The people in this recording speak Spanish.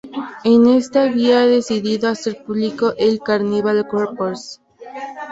Éste había decidido hacer público el "Carnival Corpse".